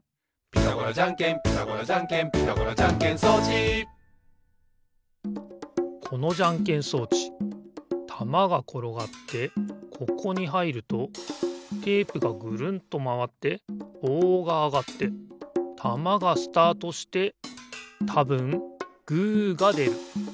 「ピタゴラじゃんけんピタゴラじゃんけん」「ピタゴラじゃんけん装置」このじゃんけん装置たまがころがってここにはいるとテープがぐるんとまわってぼうがあがってたまがスタートしてたぶんグーがでる。